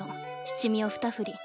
七味をふた振り。